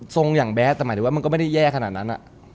อย่างแบ๊ดแต่หมายถึงว่ามันก็ไม่ได้แย่ขนาดนั้น